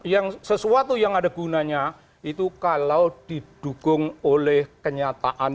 yang sesuatu yang ada gunanya itu kalau didukung oleh kenyataan